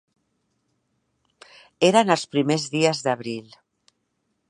Eren els primers dies d'abril…